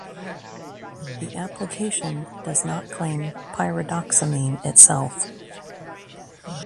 The application does not claim pyridoxamine itself.